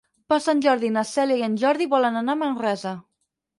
Per Sant Jordi na Cèlia i en Jordi volen anar a Manresa.